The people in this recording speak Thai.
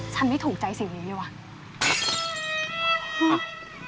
ฉันไม่ถูกใจสิหรือว่ะ